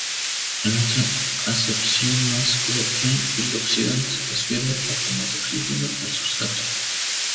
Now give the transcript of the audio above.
En otra acepción más coloquial, el oxidante transfiere átomos de oxígeno al sustrato.